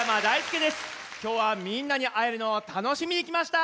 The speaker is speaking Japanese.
きょうはみんなにあえるのをたのしみにきました。